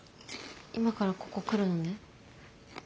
今からここ来るのね。